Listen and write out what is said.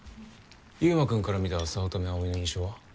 優磨君から見た早乙女葵の印象は？